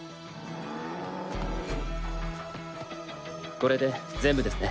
これで全部ですね。